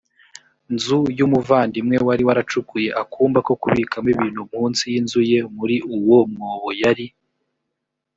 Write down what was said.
nzu y umuvandimwe wari waracukuye akumba ko kubikamo ibintu munsi y inzu ye muri uwo mwobo yari